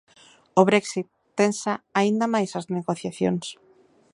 O Brexit tensa aínda máis as negociacións.